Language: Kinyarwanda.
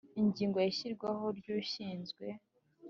Ingingo Ya Ishyirwaho Ry Ushinzwe